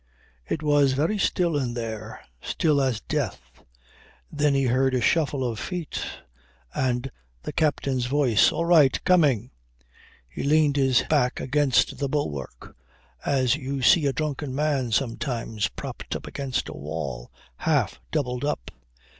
It was very still in there; still as death. Then he heard a shuffle of feet and the captain's voice "All right. Coming." He leaned his back against the bulkhead as you see a drunken man sometimes propped up against a wall, half doubled up.